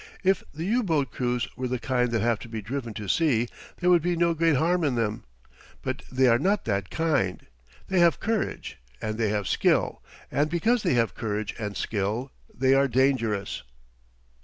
If the U boat crews were the kind that have to be driven to sea, there would be no great harm in them. But they are not that kind. They have courage, and they have skill, and because they have courage and skill they are dangerous.